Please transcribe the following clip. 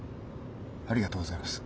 ありがとうございます。